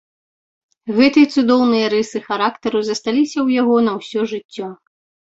Гэтыя цудоўныя рысы характару засталіся ў яго на ўсё жыццё.